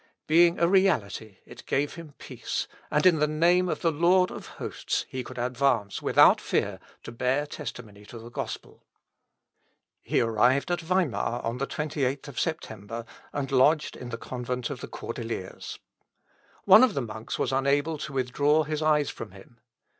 Being a reality it gave him peace, and in the name of the Lord of Hosts he could advance without fear to bear testimony to the Gospel. He arrived at Weimar on the 28th of September, and lodged in the convent of the Cordeliers. One of the monks was unable to withdraw his eyes from him.